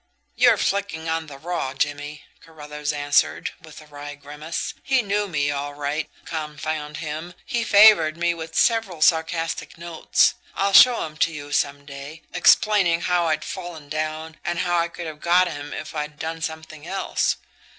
"You're flicking on the raw, Jimmie," Carruthers answered, with a wry grimace. "He knew me, all right, confound him! He favoured me with several sarcastic notes I'll show 'em to you some day explaining how I'd fallen down and how I could have got him if I'd done something else."